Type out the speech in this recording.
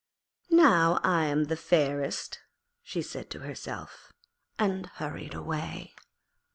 'Now I am the fairest,' she said to herself, and hurried away.